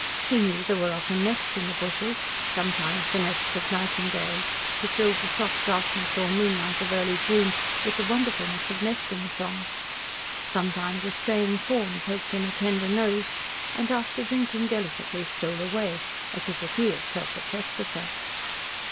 He knew there were often nests in the bushes sometimes the nests of nightingales who filled the soft darkness or moonlight of early June with the wonderfulness of nesting song. Sometimes a straying fawn poked in a tender nose, and after drinking delicately stole away, as if it knew itself a trespasser.